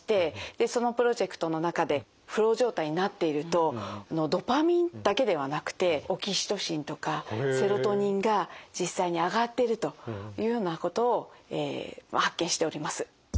そのプロジェクトの中でフロー状態になっているとドパミンだけではなくてオキシトシンとかセロトニンが実際に上がってるというようなことを発見しております。